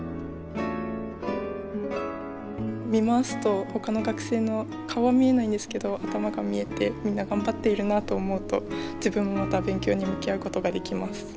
見回すとほかの学生の顔は見えないんですけど頭が見えてみんな頑張っているなと思うと自分もまた勉強に向き合う事ができます。